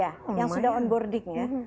ya yang sudah on boarding ya